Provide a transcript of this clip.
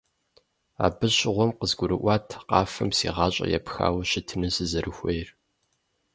Абы щыгъуэм къызгурыӀуат къафэм си гъащӀэр епхауэ щытыну сызэрыхуейр.